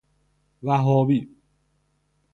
وهابی